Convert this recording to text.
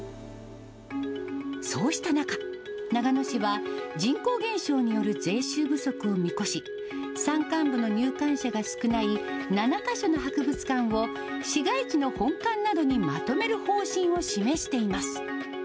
そうした中、長野市は、人口減少による税収不足を見越し、山間部の入館者が少ない７か所の博物館を、市街地の本館などにまとめる方針を示しています。